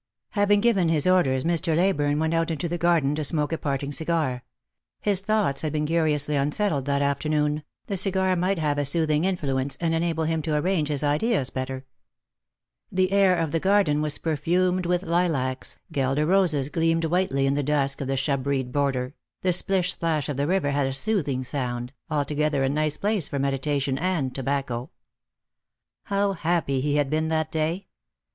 Having given his ordeu, Mr. Leyburne went out into the garden to smoke a parting cigar. His thoughts had been curiously unsettled that afternoon; the cigar might have a soothing in fluence, and enable him to arrange his ideas better. 108 Lost for Love. The air of the garden was perfumed with lilacs, guelder roses gleamed whitely in the dusk of the shrubberied border, the plish plash of the river had a soothing sound — altogether a nice place for meditation and tobacco. How bappy he had been that day